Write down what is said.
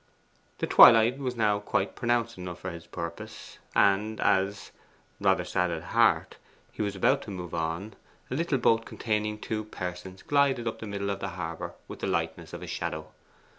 The twilight was now quite pronounced enough for his purpose; and as, rather sad at heart, he was about to move on, a little boat containing two persons glided up the middle of the harbour with the lightness of a shadow.